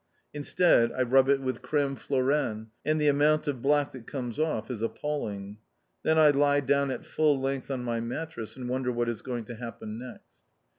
Instead, I rub it with Crême Floreine, and the amount of black that comes off is appalling. Then I lie down at full length on my mattress and wonder what is going to happen next.